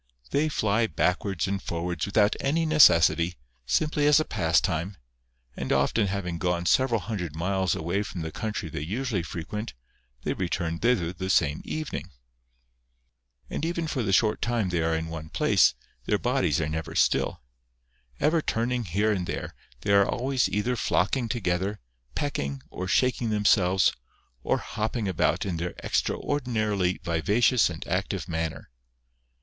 They fly backwards and forwards without any necessity, simply as a pastime, and often having gone several hundred miles away from the country they usually fre quent, they return thither the same evening. And even for the short time they are in one place, their bodies are never still. Ever turning here and there, they are always either flocking together, pecking, or shaking them selves, or hopping about in their extraordinarily viva cious and active manner.